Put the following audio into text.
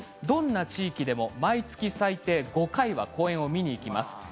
どんな地域でも、毎月最低５回は公演を見に行きます。